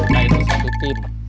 nah itu satu tim